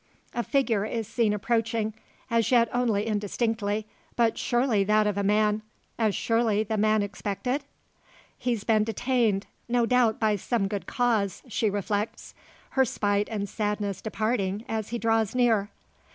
A figure is seen approaching; as yet only indistinctly, but surely that of a man. As surely the man expected? "He's been detained no doubt by some good cause," she reflects, her spite and sadness departing as he draws near.